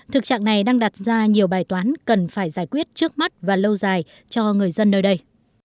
thực trạng này đang đặt ra nhiều bài toán cần phải giải quyết trước mắt và lâu dài cho người dân nơi đây